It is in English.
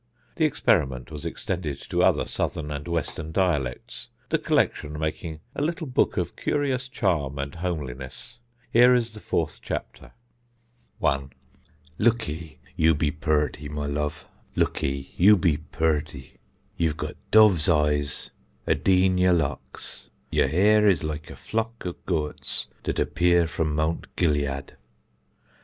The experiment was extended to other southern and western dialects, the collection making a little book of curious charm and homeliness. Here is the fourth chapter: [Sidenote: THE SONG OF SOLOMON] IV 1. Lookee, you be purty, my love, lookee, you be purty. You've got dove's eyes adin yer locks; yer hair is like a flock of goäts dat appear from Mount Gilead.